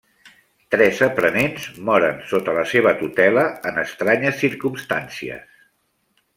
Tres aprenents moren sota la seva tutela en estranyes circumstàncies.